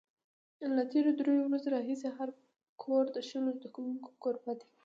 له تېرو درېیو ورځو راهیسې هر کور د شلو زده کوونکو کوربه دی.